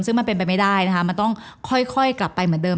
ซึ่งมันเป็นไปไม่ได้นะคะมันต้องค่อยกลับไปเหมือนเดิม